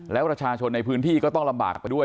แล้วประชาชนในพื้นที่ก็ต้องลำบากไปด้วย